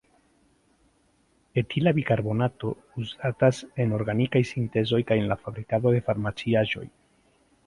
Etila bikarbonato uzatas en orgnaikaj sintezoj kaj en la fabrikado de farmaciaĵoj.